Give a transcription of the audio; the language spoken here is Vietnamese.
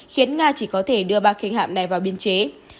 khiến nga chỉ có thể đưa ba khinh hạm này vào biên chế